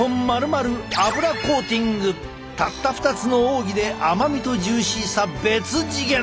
たった２つの奥義で甘みとジューシーさ別次元！